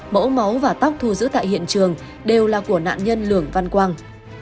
mẫu máu và tóc thu giữ tại hiện trường đều là của nạn nhân lường văn quang